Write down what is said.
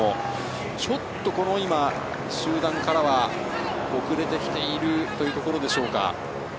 ちょっと今、集団からは遅れてきているというところでしょうか。